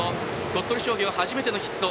鳥取商業、初めてのヒット。